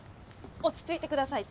落ち着いてください